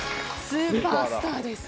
スーパースターです。